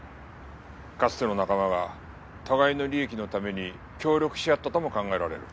かつての仲間が互いの利益のために協力し合ったとも考えられる。